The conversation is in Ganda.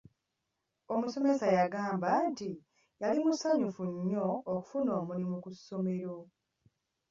Omusomesa yagamba nti yali musanyufu nnyo okufuna omulimu ku ssomero.